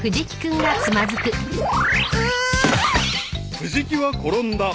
［藤木は転んだ］